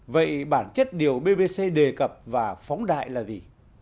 vậy bản chất điều bbc đề cập và phóng đại là gì